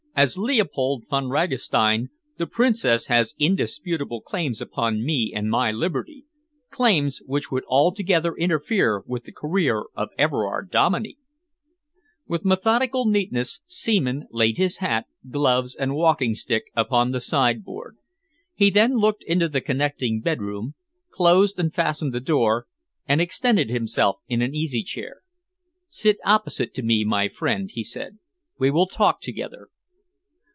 "As Leopold Von Ragastein, the Princess has indisputable claims upon me and my liberty, claims which would altogether interfere with the career of Everard Dominey." With methodical neatness, Seaman laid his hat, gloves and walking stick upon the sideboard. He then looked into the connecting bedroom, closed and fastened the door and extended himself in an easy chair. "Sit opposite to me, my friend," he said. "We will talk together."